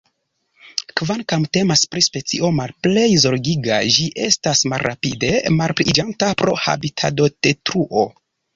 Kvankam temas pri specio Malplej Zorgiga, ĝi estas malrapide malpliiĝanta pro habitatodetruo.